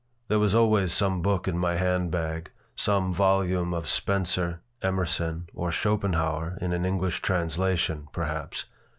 There was always some book in my hand bag some volume of Spencer, Emerson, or Schopenhauer (in an English translation), perhaps.